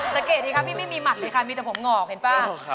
สังเกตดีคะพี่ไม่มีหมัดเลยค่ะมีแต่ผมหงอกเห็นป่ะ